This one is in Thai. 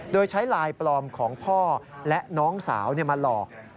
โดยใช้ไลน์ปลอมของพ่อและน้องสาวมาหลอก